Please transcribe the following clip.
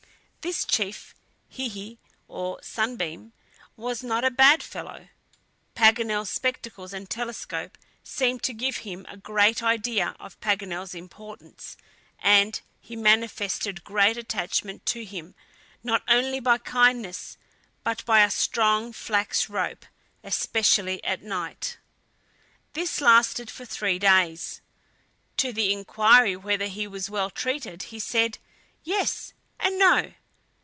This chief, Hihi, or Sunbeam, was not a bad fellow. Paganel's spectacles and telescope seemed to give him a great idea of Paganel's importance, and he manifested great attachment to him, not only by kindness, but by a strong flax rope, especially at night. This lasted for three days; to the inquiry whether he was well treated, he said "Yes and no!"